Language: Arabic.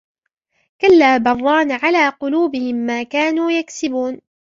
كلا بل ران على قلوبهم ما كانوا يكسبون